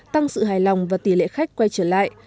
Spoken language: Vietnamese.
tăng sự hài lòng và tỷ lệ khách quay trở lại